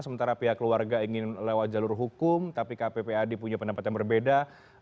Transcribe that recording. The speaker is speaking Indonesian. sementara pihak keluarga ingin lewat jalur hukum tapi kppad punya pendapat yang berbeda